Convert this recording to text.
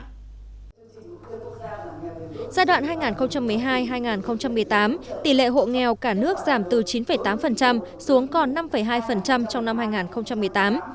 giai đoạn hai nghìn một mươi hai hai nghìn một mươi tám tỷ lệ hộ nghèo cả nước giảm từ chín tám xuống còn năm hai trong năm hai nghìn một mươi tám